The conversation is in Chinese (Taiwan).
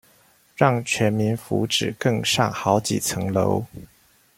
讓全民福祉更上好幾層樓